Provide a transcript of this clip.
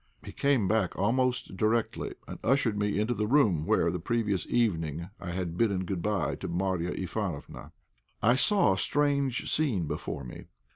He came back almost directly, and ushered me into the room where, the previous evening, I had bidden good bye to Marya Ivánofna. I saw a strange scene before me.